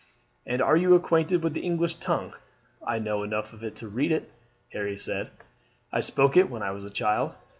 "And are you acquainted with the English tongue?" "I know enough of it to read it," Harry said. "I spoke it when I was a child."